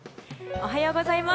おはようございます。